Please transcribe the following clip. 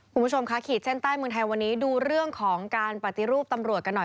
คุณผู้ชมค่ะขีดเส้นใต้เมืองไทยวันนี้ดูเรื่องของการปฏิรูปตำรวจกันหน่อย